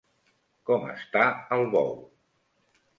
Com està el bou?